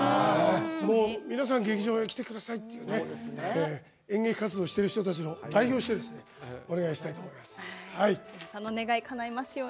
もう皆さん劇場に来てくださいって演劇活動している人たちを代表してお願いしたいと思います。